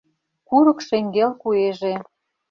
Курык шеҥгел куэже